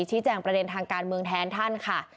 แจ้งประเด็นทางการเมืองแทนท่านค่ะ